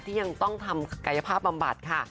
ยังต้องทำกายภาพบำบัดค่ะ